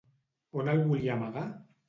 On el volia amagar?